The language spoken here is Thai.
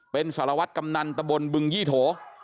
เป็นสารวัตรกำนันตะบนบึงยี่โถ